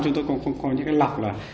chúng tôi còn không coi những cái lọc là